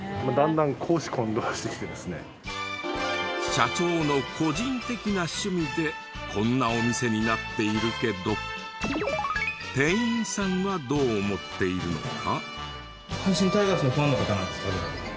社長の個人的な趣味でこんなお店になっているけど店員さんはどう思っているのか？